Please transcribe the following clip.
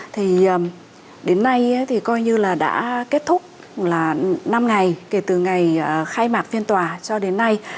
thì đến nay thì coi như là đã kết thúc là năm ngày kể từ ngày khai mạc phiên tòa cho đến nay